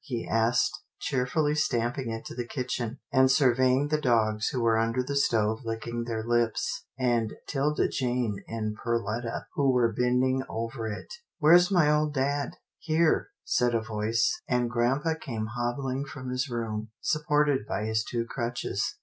he asked, cheer fully stamping into the kitchen, and surveying the dogs who were under the stove licking their lips, 44 'TILDA JANE'S ORPHANS and 'Tilda Jane and Perletta who were bending over it. ''Where's my old dad?" " Here," said a voice, and grampa came hob bling from his room, supported by his two crutches.